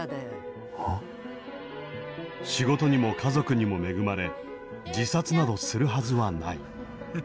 仕事にも家族にも恵まれ自殺などするはずはない。